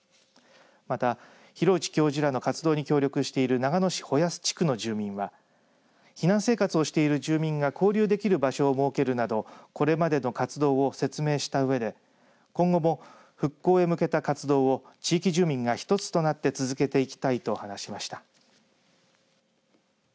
また、廣内教授らの活動に協力している長野市穂保地区の住民は避難生活をしている住民が交流できる場所を設けるなどこれまでの活動を説明したうえで今後も復興へ向けた活動を地域住民が一つとなって続けていきたいと話しました。